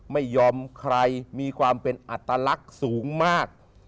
ไม่ยอมใครมีความเป็นอัตลักษณ์สูงมาก